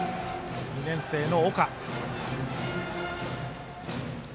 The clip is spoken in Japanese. ２年生の岡。